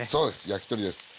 焼き鳥です。